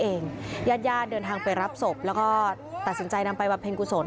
เองญาติย่านเดินทางไปรับศพแล้วก็ตัดสินใจนำไปบรรเภงกุศล